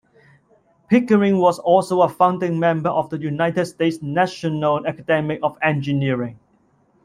Pickering was also a founding member of the United States National Academy of Engineering.